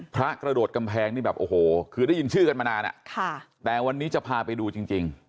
กระโดดกำแพงนี่แบบโอ้โหคือได้ยินชื่อกันมานานแต่วันนี้จะพาไปดูจริง